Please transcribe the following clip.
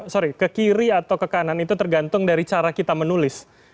sorry ke kiri atau ke kanan itu tergantung dari cara kita menulis